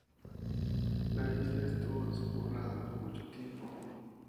La isla estuvo despoblada por mucho tiempo.